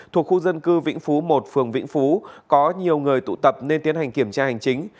thuộc khu dân cư vĩnh phú một phường vĩnh phú có nhiều người tụ tập nên tiến hành kiểm tra hành chính